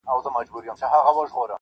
• څوک به تودې کړي سړې جونګړي -